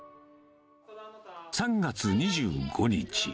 ３月２５日。